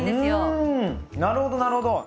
うんなるほどなるほど。